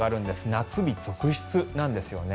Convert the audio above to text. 夏日続出なんですよね。